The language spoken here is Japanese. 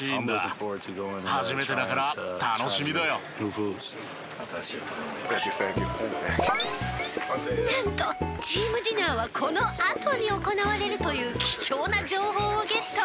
なんとチームディナーはこのあとに行われるという貴重な情報をゲット！